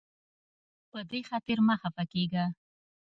په دې خاطر مه خفه کیږه.